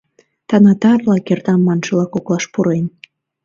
Танатарла — кертам маншыла коклаш пурен.